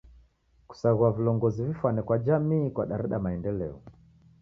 Kusaghua vilongozi vifwane kwa jamii kwadareda maendeleo.